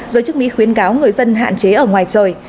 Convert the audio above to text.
giới chức mỹ khuyến cáo người dân hạn chế ở ngoài trời